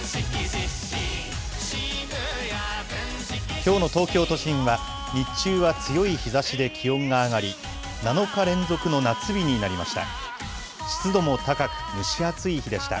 きょうの東京都心は、日中は強い日ざしで気温が上がり、７日連続の夏日になりました。